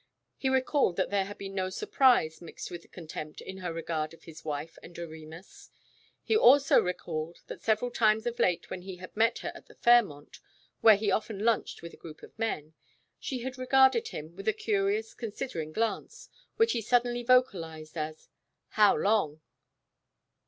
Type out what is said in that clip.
He recalled that there had been no surprise mixed with the contempt in her regard of his wife and Doremus.... He also recalled that several times of late when he had met her at the Fairmont where he often lunched with a group of men she had regarded him with a curious considering glance, which he suddenly vocalized as: "How long?"